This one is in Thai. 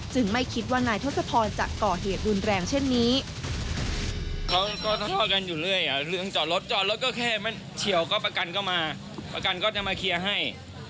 ไม่คิดว่านายทศพรจะก่อเหตุรุนแรงเช่นนี้